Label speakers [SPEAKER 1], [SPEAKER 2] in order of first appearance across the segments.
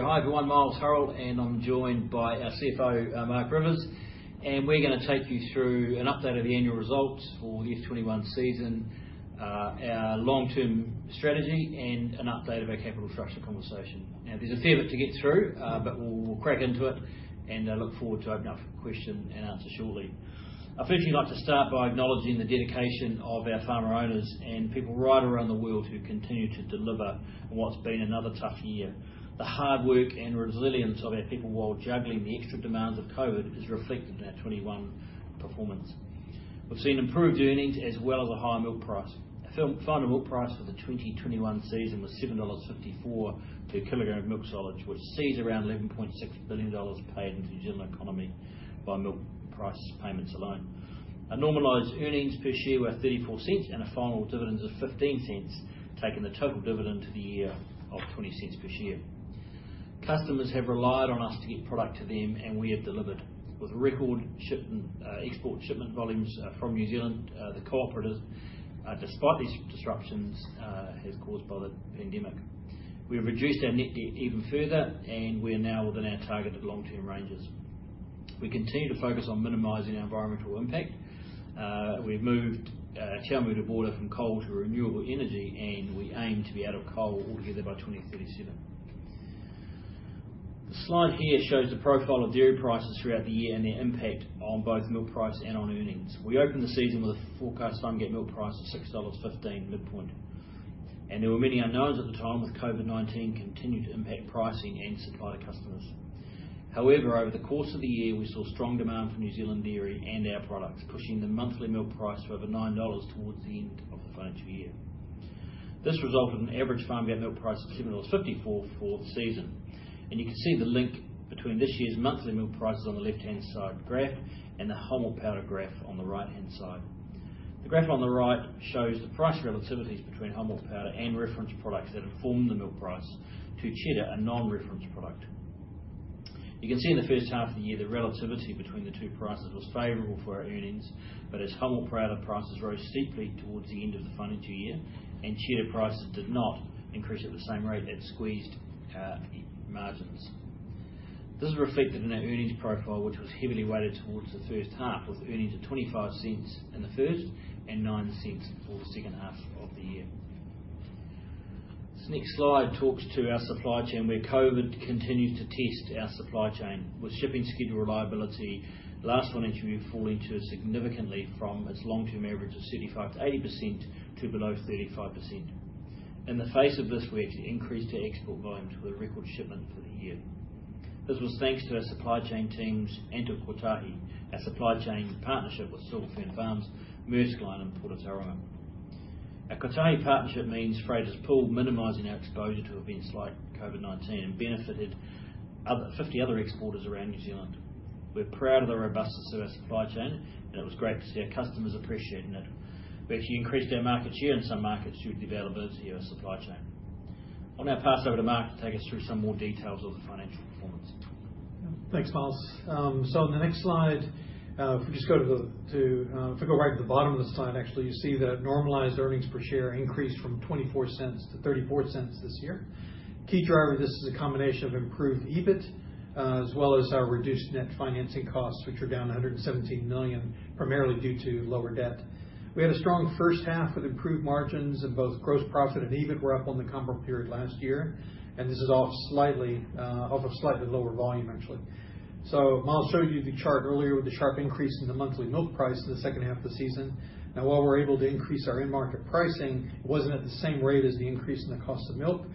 [SPEAKER 1] Hi, everyone, Miles Hurrell. I'm joined by our CFO, Marc Rivers. We're going to take you through an update of the annual results for the FY 2021 season, our long-term strategy, and an update of our capital structure conversation. There's a fair bit to get through, but we'll crack into it. I look forward to open up question and answer shortly. I'd firstly like to start by acknowledging the dedication of our farmer owners and people right around the world who continue to deliver in what's been another tough year. The hard work and resilience of our people while juggling the extra demands of COVID is reflected in our 2021 performance. We've seen improved earnings as well as a higher milk price. The final milk price for the 2021 season was 7.54 dollars per kilogram of milk solids, which sees around 11.6 billion dollars paid into the general economy by milk price payments alone. Our normalized earnings per share were 0.34 and a final dividend of 0.15, taking the total dividend to the year of 0.20 per share. Customers have relied on us to get product to them, we have delivered with record export shipment volumes from New Zealand, the cooperatives, despite these disruptions as caused by the pandemic. We have reduced our net debt even further, we are now within our target of long-term ranges. We continue to focus on minimizing our environmental impact. We've moved our Te Awamutu boiler from coal to renewable energy, we aim to be out of coal altogether by 2037. The slide here shows the profile of dairy prices throughout the year and their impact on both milk price and on earnings. We opened the season with a forecast farmgate milk price of 6.15 dollars midpoint, and there were many unknowns at the time with COVID-19 continuing to impact pricing and supply to customers. However, over the course of the year, we saw strong demand for New Zealand dairy and our products, pushing the monthly milk price to over 9 dollars towards the end of the financial year. This resulted in average farmgate milk price of 7.54 dollars for the season. You can see the link between this year's monthly milk prices on the left-hand side graph and the whole milk powder graph on the right-hand side. The graph on the right shows the price relativities between whole milk powder and reference products that inform the milk price to cheddar, a non-reference product. As whole milk powder prices rose steeply towards the end of the financial year and cheddar prices did not increase at the same rate, it squeezed margins. This is reflected in our earnings profile, which was heavily weighted towards the first half, with earnings of 0.25 in the first and 0.09 for the second half of the year. This next slide talks to our supply chain, where COVID continued to test our supply chain with shipping schedule reliability last financial year falling significantly from its long-term average of 75%-80% to below 35%. In the face of this, we actually increased our export volume to a record shipment for the year. This was thanks to our supply chain teams and to Kotahi, our supply chain partnership with Silver Fern Farms, Maersk Line, and Port of Tauranga. Our Kotahi partnership means freight is pooled, minimizing our exposure to events like COVID-19, and benefited 50 other exporters around New Zealand. We're proud of the robustness of our supply chain, and it was great to see our customers appreciating it. We actually increased our market share in some markets due to the availability of our supply chain. I'll now pass over to Marc to take us through some more details of the financial performance.
[SPEAKER 2] Thanks, Miles. On the next slide, if we go right to the bottom of the slide, actually, you see that normalized earnings per share increased from 0.24 to 0.34 this year. Key driver, this is a combination of improved EBIT as well as our reduced net financing costs, which were down 117 million, primarily due to lower debt. We had a strong first half with improved margins, and both gross profit and EBIT were up on the comparable period last year, and this is off a slightly lower volume, actually. Miles showed you the chart earlier with the sharp increase in the monthly milk price in the second half of the season. Now while we're able to increase our in-market pricing, it wasn't at the same rate as the increase in the cost of milk.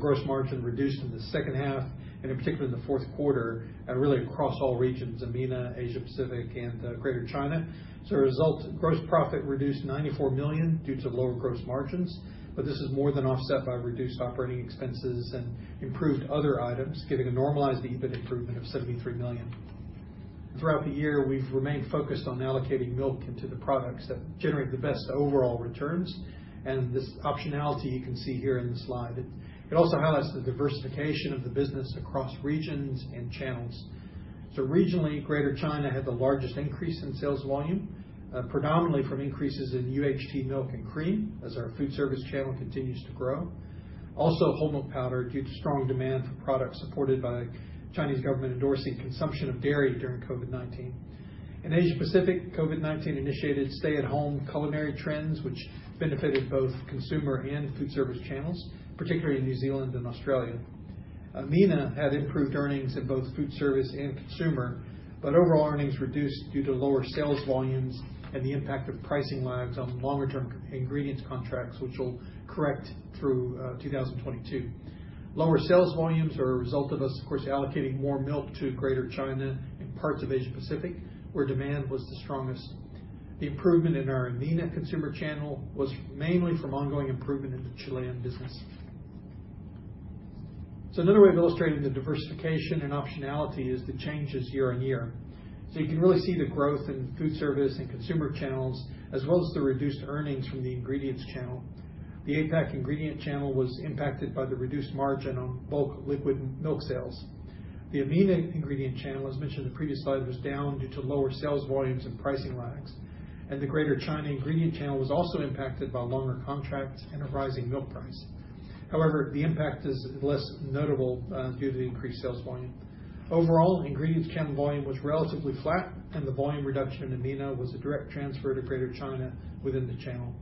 [SPEAKER 2] Gross margin reduced in the second half and in particular in the fourth quarter, and really across all regions, AMENA, Asia Pacific, and Greater China. As a result, gross profit reduced 94 million due to lower gross margins, but this is more than offset by reduced operating expenses and improved other items, giving a normalized EBIT improvement of 73 million. Throughout the year, we've remained focused on allocating milk into the products that generate the best overall returns, and this optionality you can see here in the slide. It also highlights the diversification of the business across regions and channels. Regionally, Greater China had the largest increase in sales volume, predominantly from increases in UHT milk and cream as our food service channel continues to grow. Also, whole milk powder, due to strong demand for products supported by Chinese government endorsing consumption of dairy during COVID-19. In Asia Pacific, COVID-19 initiated stay-at-home culinary trends, which benefited both consumer and food service channels, particularly in New Zealand and Australia. AMENA had improved earnings in both food service and consumer, but overall earnings reduced due to lower sales volumes and the impact of pricing lags on longer-term ingredients contracts, which will correct through 2022. Lower sales volumes are a result of us, of course, allocating more milk to Greater China and parts of Asia Pacific, where demand was the strongest. The improvement in our AMENA consumer channel was mainly from ongoing improvement in the Chilean business. Another way of illustrating the diversification and optionality is the changes year on year. You can really see the growth in food service and consumer channels, as well as the reduced earnings from the ingredients channel. The APAC ingredient channel was impacted by the reduced margin on bulk liquid milk sales. The AMENA ingredient channel, as mentioned in the previous slide, was down due to lower sales volumes and pricing lags. The Greater China ingredient channel was also impacted by longer contracts and a rising milk price. The impact is less notable due to the increased sales volume. Overall, ingredients channel volume was relatively flat, and the volume reduction in AMENA was a direct transfer to Greater China within the channel.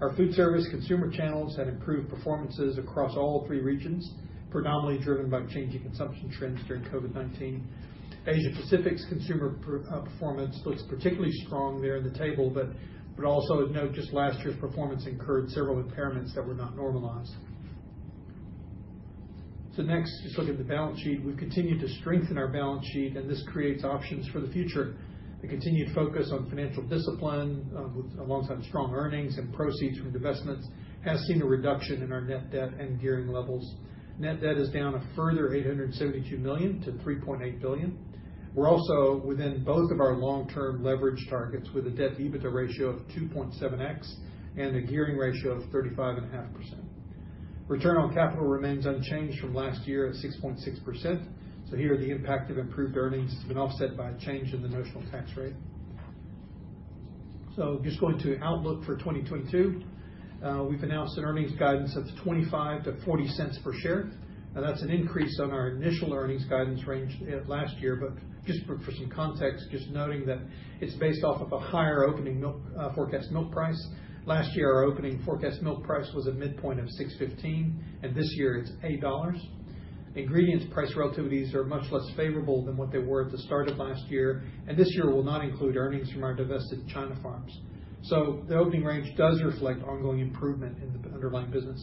[SPEAKER 2] Our food service consumer channels had improved performances across all three regions, predominantly driven by changing consumption trends during COVID-19. Asia Pacific's consumer performance looks particularly strong there in the table. Also note just last year's performance incurred several impairments that were not normalized. Next, let's look at the balance sheet. We've continued to strengthen our balance sheet, and this creates options for the future. The continued focus on financial discipline, alongside strong earnings and proceeds from divestments, has seen a reduction in our net debt and gearing levels. Net debt is down a further 872 million to 3.8 billion. We're also within both of our long-term leverage targets with a debt-EBITDA ratio of 2.7x and a gearing ratio of 35.5%. Return on capital remains unchanged from last year at 6.6%. Here the impact of improved earnings has been offset by a change in the notional tax rate. Just going to outlook for 2022. We've announced an earnings guidance that's 0.25-0.40 per share. Now that's an increase on our initial earnings guidance range last year. Just for some context, just noting that it's based off of a higher opening forecast milk price. Last year, our opening forecast milk price was a midpoint of 6.15. This year it's 8.00 dollars. Ingredients price relativities are much less favorable than what they were at the start of last year. This year will not include earnings from our divested China farms. The opening range does reflect ongoing improvement in the underlying business.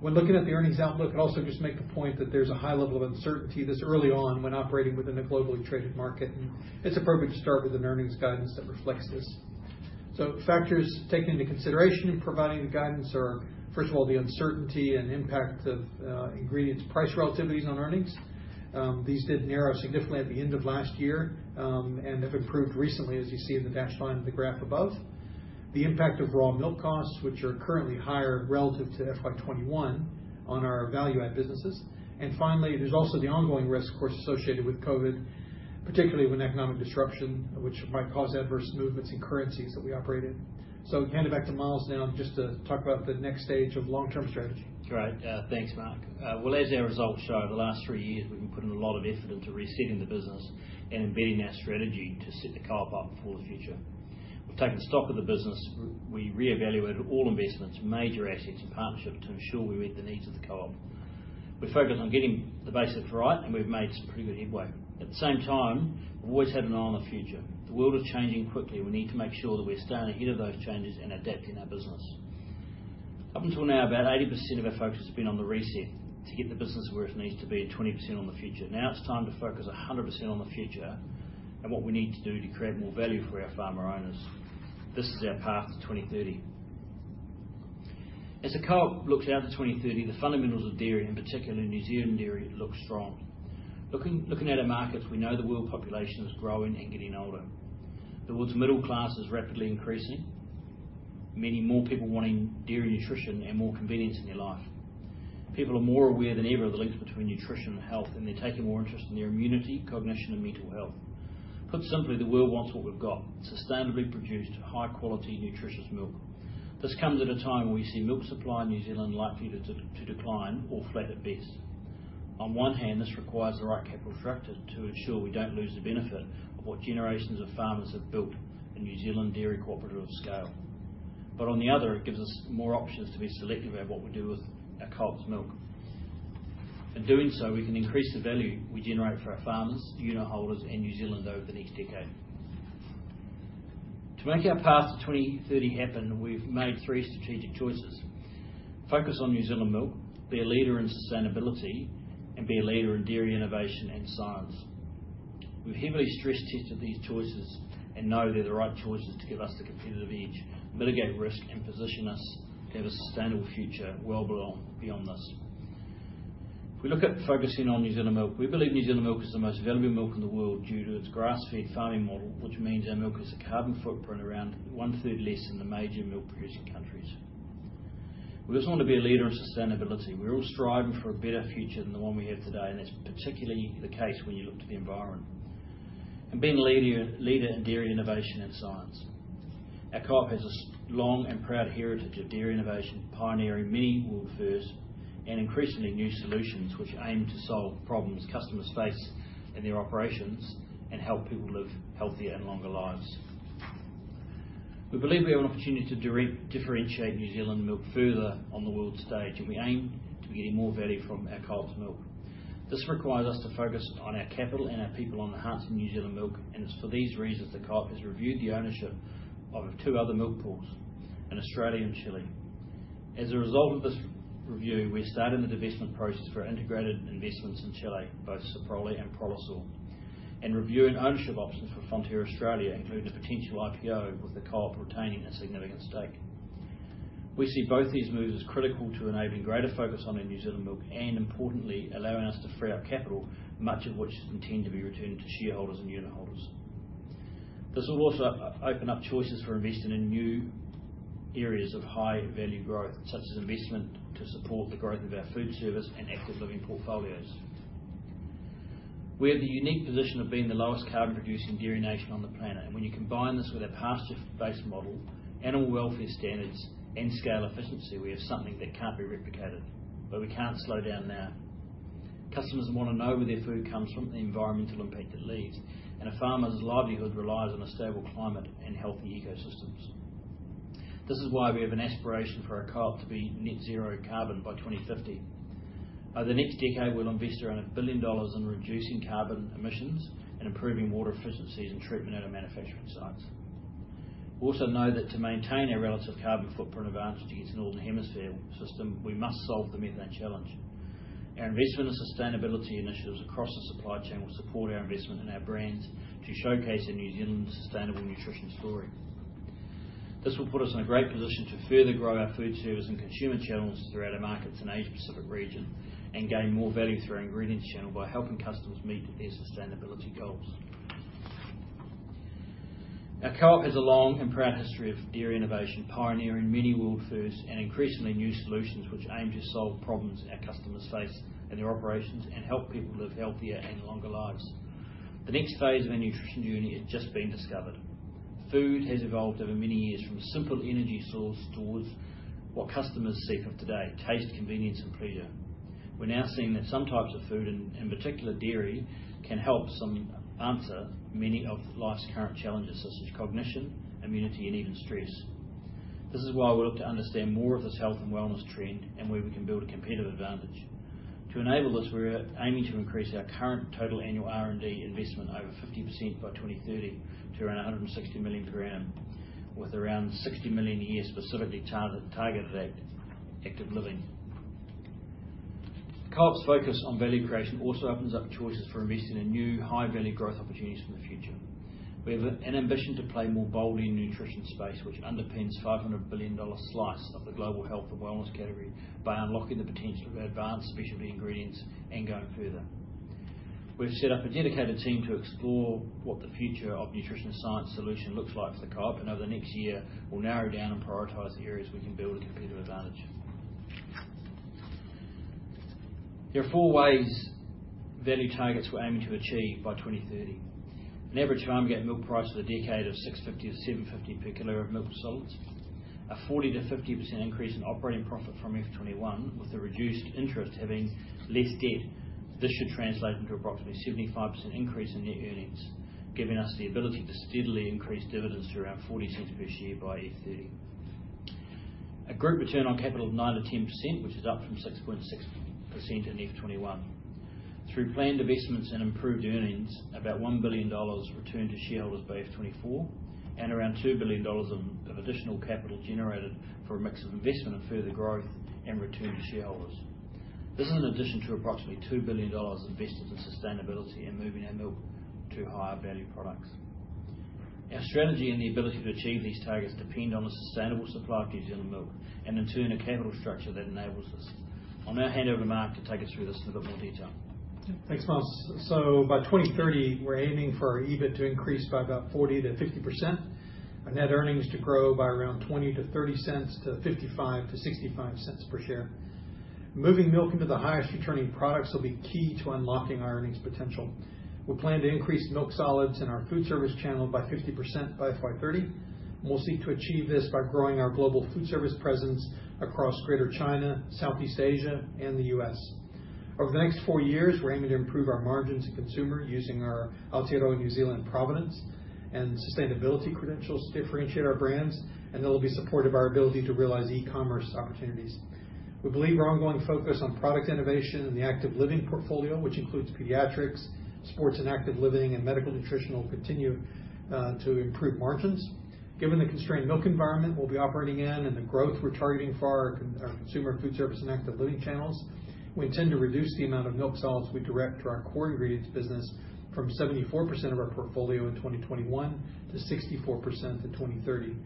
[SPEAKER 2] When looking at the earnings outlook, I'd also just make the point that there's a high level of uncertainty this early on when operating within a globally traded market, and it's appropriate to start with an earnings guidance that reflects this. Factors taken into consideration in providing the guidance are, first of all, the uncertainty and impact of ingredients price relativities on earnings. These did narrow significantly at the end of last year, and have improved recently, as you see in the dashed line of the graph above. The impact of raw milk costs, which are currently higher relative to FY 2021 on our value-add businesses. Finally, there's also the ongoing risk, of course, associated with COVID, particularly with an economic disruption, which might cause adverse movements in currencies that we operate in. Hand it back to Miles now just to talk about the next stage of long-term strategy.
[SPEAKER 1] Great. Thanks, Marc. Well, as our results show, over the last three years, we've been putting a lot of effort into resetting the business and embedding our strategy to set the co-op up for the future. We've taken stock of the business. We reevaluated all investments, major assets, and partnerships to ensure we meet the needs of the co-op. We focused on getting the basics right, and we've made some pretty good headway. At the same time, we've always had an eye on the future. The world is changing quickly, and we need to make sure that we're staying ahead of those changes and adapting our business. Up until now, about 80% of our focus has been on the reset to get the business where it needs to be, and 20% on the future. Now it's time to focus 100% on the future and what we need to do to create more value for our farmer owners. This is our path to 2030. As the co-op looks out to 2030, the fundamentals of dairy, in particular New Zealand dairy, look strong. Looking at our markets, we know the world population is growing and getting older. The world's middle class is rapidly increasing. Many more people wanting dairy nutrition and more convenience in their life. People are more aware than ever of the links between nutrition and health, and they're taking more interest in their immunity, cognition, and mental health. Put simply, the world wants what we've got, sustainably produced, high quality, nutritious milk. This comes at a time where we see milk supply in New Zealand likely to decline or flat at best. On one hand, this requires the right capital structure to ensure we don't lose the benefit of what generations of farmers have built in New Zealand dairy cooperative scale. On the other, it gives us more options to be selective about what we do with our co-op's milk. In doing so, we can increase the value we generate for our farmers, unitholders, and New Zealand over the next decade. To make our path to 2030 happen, we've made three strategic choices: focus on New Zealand milk, be a leader in sustainability, and be a leader in dairy innovation and science. We've heavily stress-tested these choices and know they're the right choices to give us the competitive edge, mitigate risk, and position us to have a sustainable future well beyond this. If we look at focusing on New Zealand milk, we believe New Zealand milk is the most valuable milk in the world due to its grass-fed farming model, which means our milk has a carbon footprint around one-third less than the major milk-producing countries. We also want to be a leader in sustainability. We're all striving for a better future than the one we have today, and that's particularly the case when you look to the environment. And being a leader in dairy innovation and science. Our co-op has a long and proud heritage of dairy innovation, pioneering many world firsts and increasingly new solutions which aim to solve problems customers face in their operations and help people live healthier and longer lives. We believe we have an opportunity to differentiate New Zealand milk further on the world stage, and we aim to be getting more value from our co-op's milk. This requires us to focus on our capital and our people on enhancing New Zealand milk, and it's for these reasons the co-op has reviewed the ownership of two other milk pools in Australia and Chile. As a result of this review, we're starting the divestment process for our integrated investments in Chile, both Soprole and Prolesur, and reviewing ownership options for Fonterra Australia, including a potential IPO with the co-op retaining a significant stake. We see both these moves as critical to enabling greater focus on our New Zealand milk and importantly, allowing us to free up capital, much of which is intended to be returned to shareholders and unitholders. This will also open up choices for investing in new areas of high-value growth, such as investment to support the growth of our food service and active living portfolios. We have the unique position of being the lowest carbon-producing dairy nation on the planet, and when you combine this with our pasture-based model, animal welfare standards, and scale efficiency, we have something that can't be replicated. We can't slow down now. Customers want to know where their food comes from and the environmental impact it leaves, and a farmer's livelihood relies on a stable climate and healthy ecosystems. This is why we have an aspiration for our co-op to be net zero carbon by 2050. Over the next decade, we'll invest around 1 billion dollars in reducing carbon emissions and improving water efficiencies and treatment at our manufacturing sites. We also know that to maintain our relative carbon footprint advantage against the Northern Hemisphere system, we must solve the methane challenge. Our investment in sustainability initiatives across the supply chain will support our investment in our brands to showcase a New Zealand sustainable nutrition story. This will put us in a great position to further grow our food service and consumer channels throughout our markets in Asia Pacific region and gain more value through our ingredients channel by helping customers meet their sustainability goals. Our co-op has a long and proud history of dairy innovation, pioneering many world firsts and increasingly new solutions which aim to solve problems our customers face in their operations and help people live healthier and longer lives. The next phase of our nutrition journey has just been discovered. Food has evolved over many years from a simple energy source towards what customers seek of today: taste, convenience, and pleasure. We're now seeing that some types of food, in particular dairy, can help some answer many of life's current challenges, such as cognition, immunity, and even stress. This is why we look to understand more of this health and wellness trend and where we can build a competitive advantage. To enable this, we're aiming to increase our current total annual R&D investment over 50% by 2030 to around 160 million per annum, with around 60 million a year specifically targeted at active living. Co-op's focus on value creation also opens up choices for investing in new high-value growth opportunities for the future. We have an ambition to play more boldly in the nutrition space, which underpins 500 billion dollar slice of the global health and wellness category by unlocking the potential of our advanced specialty ingredients and going further. We've set up a dedicated team to explore what the future of nutrition science solution looks like for the co-op, and over the next year, we'll narrow down and prioritize the areas we can build a competitive advantage. There are four ways value targets we're aiming to achieve by 2030. An average farmgate milk price for the decade of 6.50-7.50 per kilogram of milk solids. A 40%-50% increase in operating profit from FY 2021, with the reduced interest having less debt. This should translate into approximately 75% increase in net earnings, giving us the ability to steadily increase dividends to around 0.40 per share by FY 2030. A group return on capital of 9%-10%, which is up from 6.6% in FY 2021. Through planned divestments and improved earnings, about 1 billion dollars returned to shareholders by FY 2024 and around 2 billion dollars of additional capital generated for a mix of investment and further growth and return to shareholders. This is an addition to approximately 2 billion dollars invested in sustainability and moving our milk to higher-value products. Our strategy and the ability to achieve these targets depend on a sustainable supply of New Zealand milk and, in turn, a capital structure that enables this. I'll now hand over to Marc to take us through this in a bit more detail.
[SPEAKER 2] Thanks, Miles. By 2030, we're aiming for our EBIT to increase by about 40%-50%, our net earnings to grow by around 0.20-0.30 to 0.55-0.65 per share. Moving milk into the highest returning products will be key to unlocking our earnings potential. We plan to increase milk solids in our food service channel by 50% by FY 2030. We'll seek to achieve this by growing our global food service presence across Greater China, Southeast Asia, and the U.S. Over the next four years, we're aiming to improve our margins in consumer using our Aotearoa New Zealand provenance and sustainability credentials to differentiate our brands, and they'll be supportive of our ability to realize e-commerce opportunities. We believe our ongoing focus on product innovation and the active living portfolio, which includes pediatrics, sports and active living and medical nutritional, continue to improve margins. Given the constrained milk environment we'll be operating in and the growth we're targeting for our consumer food service and active living channels, we intend to reduce the amount of milk solids we direct to our core ingredients business from 74% of our portfolio in 2021 to 64% in 2030.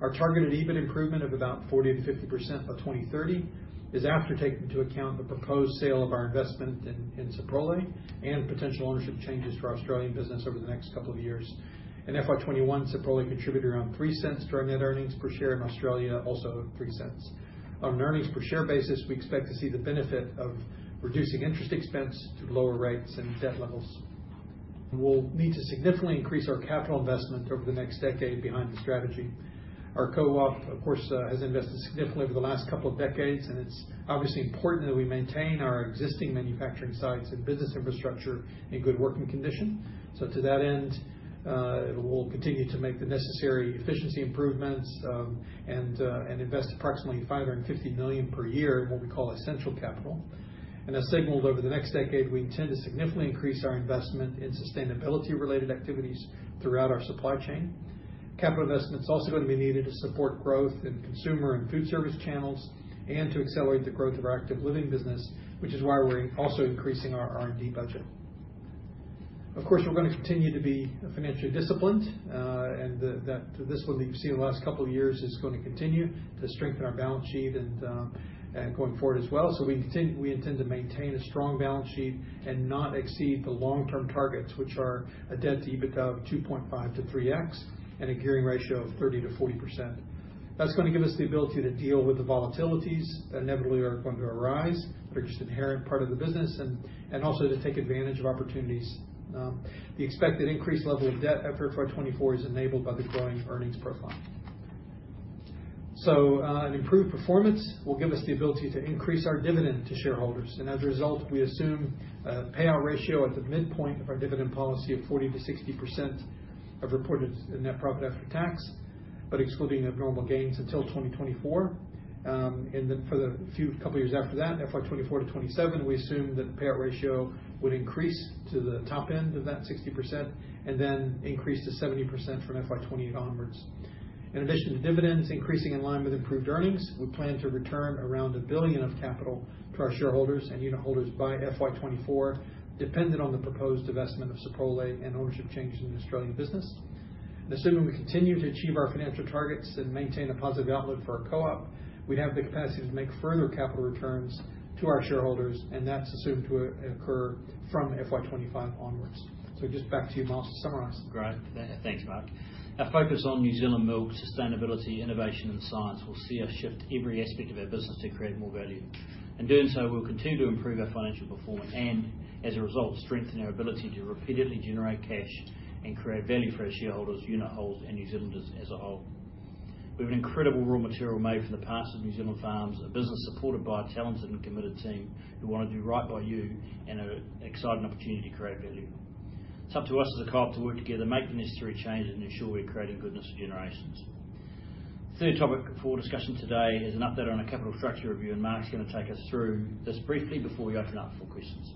[SPEAKER 2] Our targeted EBIT improvement of about 40%-50% by 2030 is after taking into account the proposed sale of our investment in Soprole and potential ownership changes to our Australian business over the next couple of years. In FY 2021, Soprole contributed around 0.03 to our net earnings per share in Australia, also 0.03. On an earnings per share basis, we expect to see the benefit of reducing interest expense to lower rates and debt levels. We'll need to significantly increase our capital investment over the next decade behind the strategy. Our co-op, of course, has invested significantly over the last couple of decades, and it's obviously important that we maintain our existing manufacturing sites and business infrastructure in good working condition. To that end, we'll continue to make the necessary efficiency improvements and invest approximately 550 million per year in what we call essential capital. As signaled, over the next decade, we intend to significantly increase our investment in sustainability-related activities throughout our supply chain. Capital investment is also gonna be needed to support growth in consumer and food service channels and to accelerate the growth of our active living business, which is why we're also increasing our R&D budget. Of course, we're gonna continue to be financially disciplined, this one that you've seen in the last couple of years is going to continue to strengthen our balance sheet and going forward as well. We intend to maintain a strong balance sheet and not exceed the long-term targets, which are a debt to EBITDA of 2.5x-3x and a gearing ratio of 30%-40%. That's gonna give us the ability to deal with the volatilities that inevitably are going to arise. They're just an inherent part of the business, and also to take advantage of opportunities. The expected increased level of debt after FY 2024 is enabled by the growing earnings profile. An improved performance will give us the ability to increase our dividend to shareholders. As a result, we assume a payout ratio at the midpoint of our dividend policy of 40%-60% of reported net profit after tax, but excluding abnormal gains until 2024. For the few couple of years after that, FY 2024-2027, we assume that the payout ratio would increase to the top end of that 60% and then increase to 70% from FY 2028 onwards. In addition to dividends increasing in line with improved earnings, we plan to return around 1 billion of capital to our shareholders and unitholders by FY 2024, dependent on the proposed divestment of Soprole and ownership changes in the Australian business. Assuming we continue to achieve our financial targets and maintain a positive outlook for our co-op, we'd have the capacity to make further capital returns to our shareholders. That's assumed to occur from FY 2025 onwards. Just back to you, Miles, to summarize.
[SPEAKER 1] Great. Thanks, Marc. Our focus on New Zealand milk sustainability, innovation, and science will see us shift every aspect of our business to create more value. In doing so, we'll continue to improve our financial performance and as a result, strengthen our ability to repeatedly generate cash and create value for our shareholders, unitholders, and New Zealanders as a whole. We have an incredible raw material made from the pastures of New Zealand farms, a business supported by a talented and committed team who want to do right by you and are excited about the opportunity to create value. It's up to us as a co-op to work together, make the necessary changes, and ensure we're creating goodness for generations. The third topic for discussion today is an update on our capital structure review. Marc's going to take us through this briefly before we open up for questions.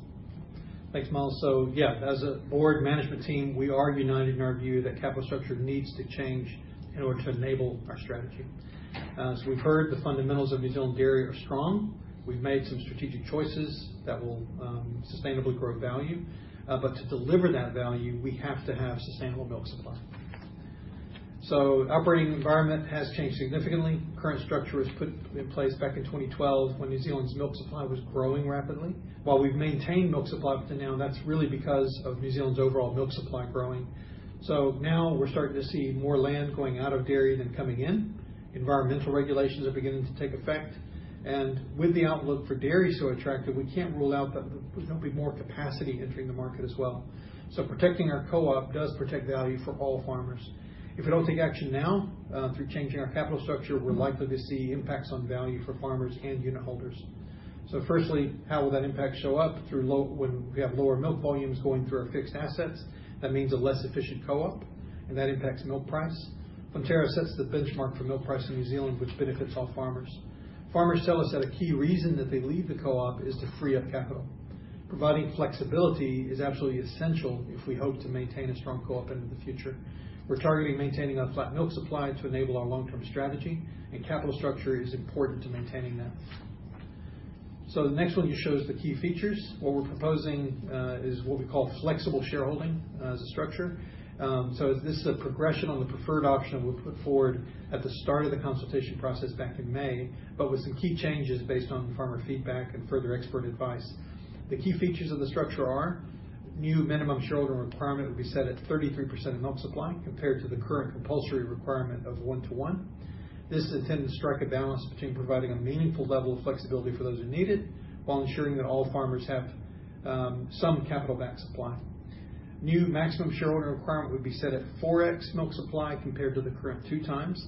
[SPEAKER 2] Thanks, Miles. As a Board management team, we are united in our view that capital structure needs to change in order to enable our strategy. As we've heard, the fundamentals of New Zealand dairy are strong. We've made some strategic choices that will sustainably grow value. To deliver that value, we have to have sustainable milk supply. Our operating environment has changed significantly. Current structure was put in place back in 2012 when New Zealand's milk supply was growing rapidly. While we've maintained milk supply up to now, that's really because of New Zealand's overall milk supply growing. Now we're starting to see more land going out of dairy than coming in. Environmental regulations are beginning to take effect, and with the outlook for dairy so attractive, we can't rule out that there won't be more capacity entering the market as well. Protecting our co-op does protect value for all farmers. If we don't take action now through changing our capital structure, we're likely to see impacts on value for farmers and unitholders. Firstly, how will that impact show up through when we have lower milk volumes going through our fixed assets? That means a less efficient co-op and that impacts milk price. Fonterra sets the benchmark for milk price in New Zealand, which benefits all farmers. Farmers tell us that a key reason that they leave the co-op is to free up capital. Providing flexibility is absolutely essential if we hope to maintain a strong co-op into the future. We're targeting maintaining a flat milk supply to enable our long-term strategy, and capital structure is important to maintaining that. The next one just shows the key features. What we're proposing is what we call flexible shareholding as a structure. This is a progression on the preferred option we put forward at the start of the consultation process back in May. With some key changes based on farmer feedback and further expert advice. The key features of the structure are new minimum shareholding requirement will be set at 33% of milk supply compared to the current compulsory requirement of 1:1. This is intended to strike a balance between providing a meaningful level of flexibility for those who need it while ensuring that all farmers have some capital-backed supply. New maximum shareowner requirement would be set at 4x milk supply compared to the current two times.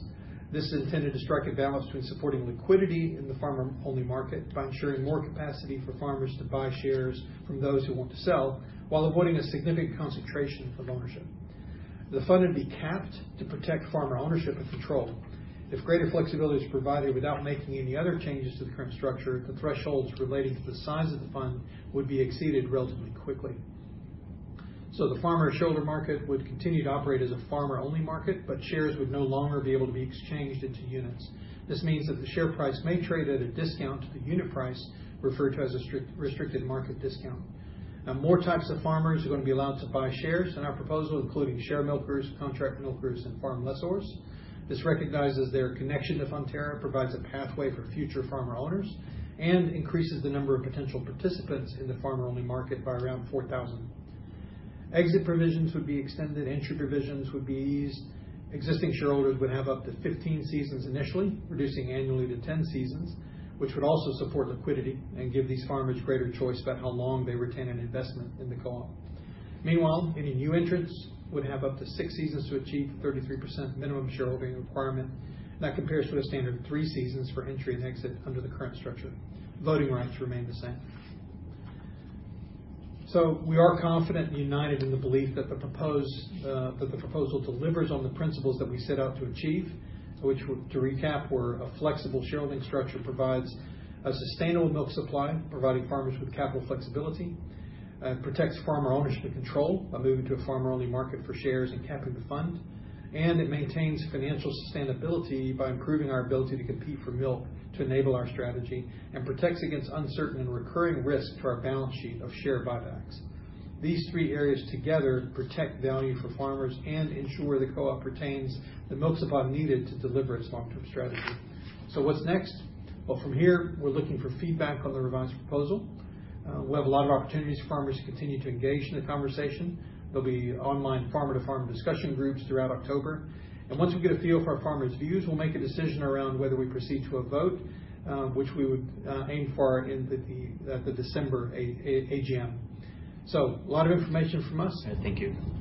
[SPEAKER 2] This is intended to strike a balance between supporting liquidity in the farmer-only market by ensuring more capacity for farmers to buy shares from those who want to sell while avoiding a significant concentration of ownership. The fund would be capped to protect farmer ownership and control. If greater flexibility is provided without making any other changes to the current structure, the thresholds relating to the size of the fund would be exceeded relatively quickly. The farmer shareowner market would continue to operate as a farmer-only market, but shares would no longer be able to be exchanged into units. This means that the share price may trade at a discount to the unit price referred to as a restricted market discount. More types of farmers are going to be allowed to buy shares in our proposal, including sharemilkers, contract milkers, and farm lessors. This recognizes their connection to Fonterra, provides a pathway for future farmer owners, and increases the number of potential participants in the farmer-only market by around 4,000. Exit provisions would be extended, entry provisions would be eased. Existing shareholders would have up to 15 seasons initially, reducing annually to 10 seasons, which would also support liquidity and give these farmers greater choice about how long they retain an investment in the co-op. Meanwhile, any new entrants would have up to six seasons to achieve the 33% minimum shareholding requirement. That compares to the standard three seasons for entry and exit under the current structure. Voting rights remain the same. We are confident and united in the belief that the proposal delivers on the principles that we set out to achieve. Which, to recap, were a flexible shareholding structure provides a sustainable milk supply, providing farmers with capital flexibility and protects farmer ownership and control by moving to a farmer-only market for shares and capping the fund, and it maintains financial sustainability by improving our ability to compete for milk to enable our strategy and protects against uncertain and recurring risk to our balance sheet of share buybacks. These three areas together protect value for farmers and ensure the co-op retains the milk supply needed to deliver its long-term strategy. What's next? Well, from here, we're looking for feedback on the revised proposal. We'll have a lot of opportunities for farmers to continue to engage in the conversation. There'll be online farmer-to-farmer discussion groups throughout October. Once we get a feel for our farmers' views, we'll make a decision around whether we proceed to a vote, which we would aim for in the December AGM. A lot of information from us.
[SPEAKER 1] Thank you.